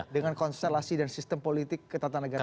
dengan konstelasi dan sistem politik ketatanegaraan